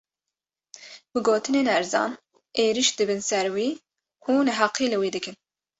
Bi gotinên erzan, êrîş dibin ser wî û neheqî li wî dikin